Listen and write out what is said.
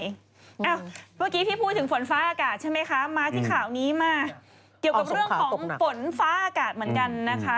มีฝนฟ้าอากาศเหมือนกันนะคะ